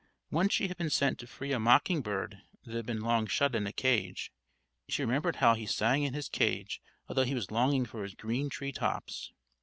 Once she had been sent to free a mocking bird that had been shut in a cage. She remembered how he sang in his cage, although he was longing for his green tree tops.